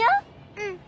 うん。